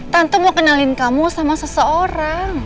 tante mau kenalin kamu sama seseorang